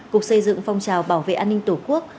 cục xây dựng phong trào bảo vệ an ninh tổ quốc